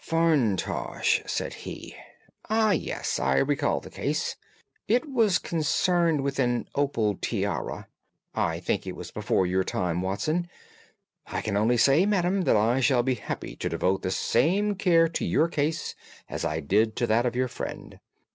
"Farintosh," said he. "Ah yes, I recall the case; it was concerned with an opal tiara. I think it was before your time, Watson. I can only say, madam, that I shall be happy to devote the same care to your case as I did to that of your friend.